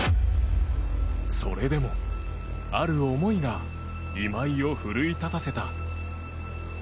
それでも、ある思いが今井を奮い立たせた。